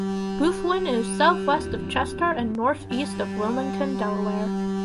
Boothwyn is southwest of Chester and northeast of Wilmington, Delaware.